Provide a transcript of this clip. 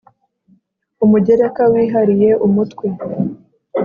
Umugereka wihariye umutwe